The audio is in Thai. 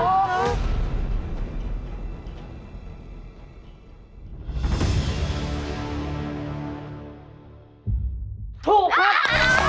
ตัวใช่ถูกครับ